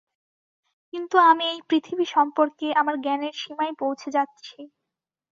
কিন্তু আমি এই পৃথিবী সম্পর্কে আমার জ্ঞানের সীমায় পৌঁছে যাচ্ছি।